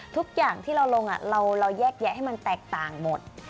ทุกอย่างที่เราลงเราแยกแยะให้มันแตกต่างหมด